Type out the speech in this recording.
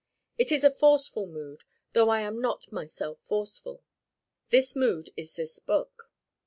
It is a forceful mood, though I am not myself forceful. This mood is this book.